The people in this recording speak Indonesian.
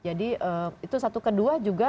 jadi itu satu kedua juga